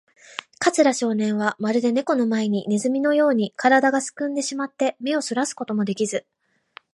桂少年は、まるでネコの前のネズミのように、からだがすくんでしまって、目をそらすこともできず、